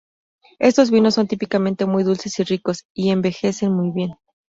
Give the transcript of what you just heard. Estos vinos son típicamente muy dulces y ricos, y envejecen muy bien.